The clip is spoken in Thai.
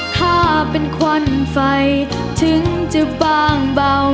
ถ้าเป็นควันไฟถึงจะฟางเบา